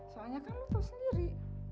soalnya kamu tau sendiri